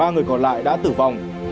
ba người còn lại đã tử vong